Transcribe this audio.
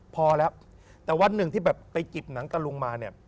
พอแล้วแต่วันหนึ่งที่แบบไปจิบหนังตะลุงมาเนี่ย